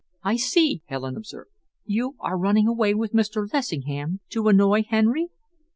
"I see," Helen observed. "You are running away with Mr. Lessingham to annoy Henry?"